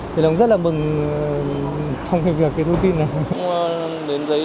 thì em cũng rất là mừng trong việc cái thông tin này